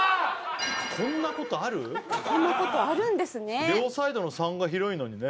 こんなことあるんですね